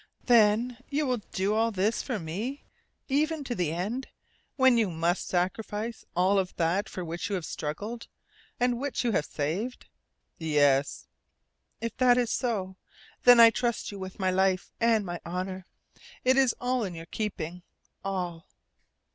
"Then you will do all this for me even to the end when you must sacrifice all of that for which you have struggled, and which you have saved?" "Yes." "If that is so, then I trust you with my life and my honour. It is all in your keeping all."